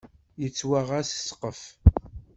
Yettwaɣ-as ssqef.